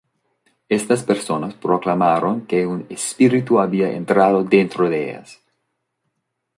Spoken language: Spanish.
Estas personas proclamaron que un espíritu había entrado dentro de ellas.